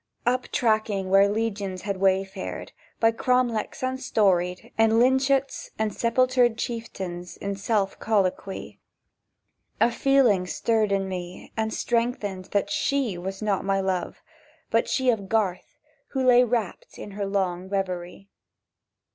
Uptracking where Legions had wayfared, By cromlechs unstoried, And lynchets, and sepultured Chieftains, In self colloquy, A feeling stirred in me and strengthened That she was not my Love, But she of the garth, who lay rapt in Her long reverie.